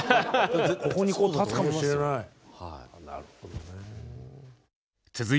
ここに立つかもしれない。